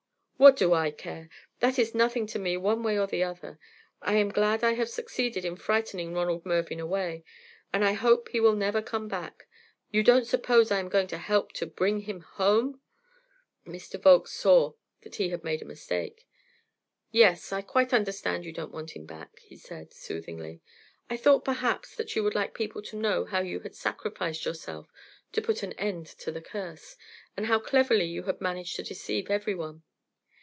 "What do I care? That is nothing to me one way or the other. I am glad I have succeeded in frightening Ronald Mervyn away, and I hope he will never come back again. You don't suppose I am going to help to bring him home!" Mr. Volkes saw that he had made a mistake. "Yes, I quite understand you don't want him back," he said, soothingly. "I thought, perhaps, that you would like people to know how you had sacrificed yourself to put an end to the curse, and how cleverly you had managed to deceive every one.